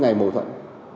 ngay mô thuận